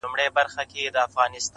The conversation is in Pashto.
فرنګ به تر اورنګه پوري پل په وینو یوسي!